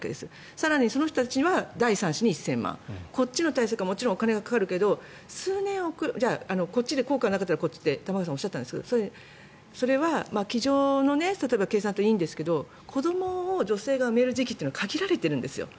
更に、その人たちには第３子に１０００万円こっちの対策のほうがもちろんお金がかかるけどこっちで効果がなかったらこっちと玉川さんはおっしゃったんですがそれは机上の計算ではいいんですが子どもを女性が産める時期というのは限られているんですよ。